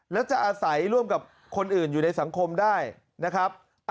แล้วจะอาศัยร่วมกับคนอื่นอยู่ในสังคมได้นะครับ